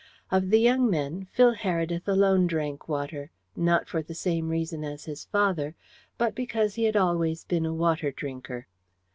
Of the young men, Phil Heredith alone drank water, not for the same reason as his father, but because he had always been a water drinker.